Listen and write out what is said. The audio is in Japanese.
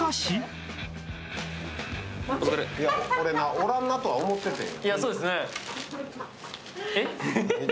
おらんなとは思っててん。